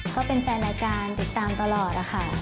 ก็เป็นแฟนรายการติดตามตลอดค่ะ